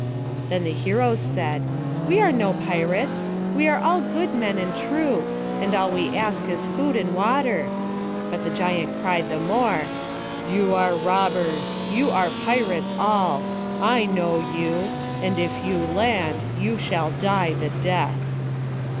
Then the heroes cried: "We are no pirates. We are all good men and true; and all we ask is food and water"; but the giant cried the more "You are robbers, you are pirates all; I know you; and if you land, you shall die the death."